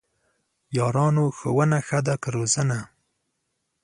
یارانو ! ښوونه ښه ده که روزنه؟!